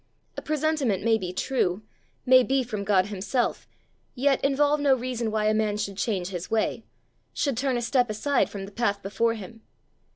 A presentiment may be true, may be from God himself, yet involve no reason why a man should change his way, should turn a step aside from the path before him.